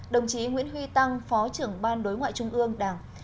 đồng chí nguyễn huy tăng phó trưởng ban đối ngoại trung ương đảng